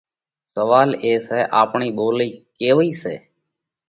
سوئال سئہ آپڻئِي ٻولئِي ڪيوئِي سئہ؟